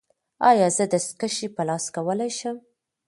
ایا زه دستکشې په لاس کولی شم؟